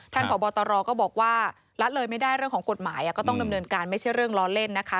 พบตรก็บอกว่าละเลยไม่ได้เรื่องของกฎหมายก็ต้องดำเนินการไม่ใช่เรื่องล้อเล่นนะคะ